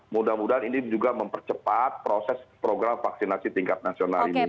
mudah mudahan ini juga mempercepat proses program vaksinasi tingkat nasional ini